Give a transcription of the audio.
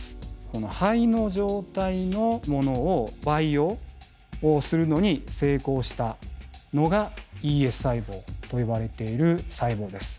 この胚の状態のものを培養するのに成功したのがＥＳ細胞と呼ばれている細胞です。